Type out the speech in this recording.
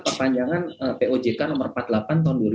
perpanjangan pojk nomor empat puluh delapan